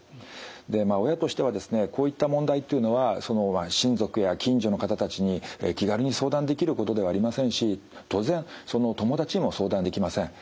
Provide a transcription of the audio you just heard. でまあ親としてはですねこういった問題っていうのは親族や近所の方たちに気軽に相談できることではありませんし当然友達にも相談できません。